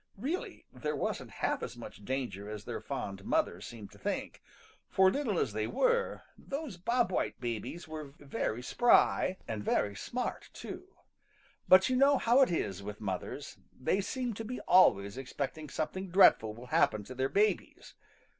Really there wasn't half as much danger as their fond mother seemed to think, for little as they were those Bob White babies were very spry, and very smart too. But you know how it is with mothers; they seem to be always expecting something dreadful will happen to their babies.